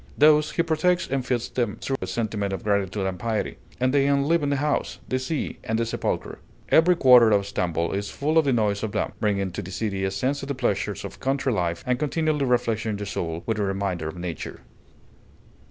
Thus he protects and feeds them, through a sentiment of gratitude and piety; and they enliven the house, the sea, and the sepulchre. Every quarter of Stamboul is full of the noise of them, bringing to the city a sense of the pleasures of country life, and continually refreshing the soul with a reminder of nature.